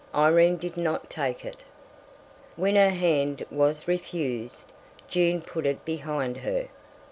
Irene did not take it. When her hand was refused, June put it behind her.